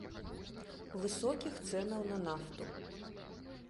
Высокіх цэнаў на нафту.